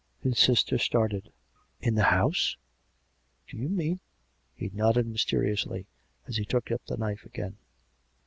His sister started. " In the house? ... Do you mean " He nodded mysteriously, as he took up the knife again.